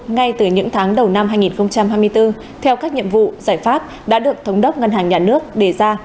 ngay từ những tháng đầu năm hai nghìn hai mươi bốn theo các nhiệm vụ giải pháp đã được thống đốc ngân hàng nhà nước đề ra